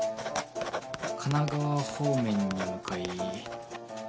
神奈川方面に向かい。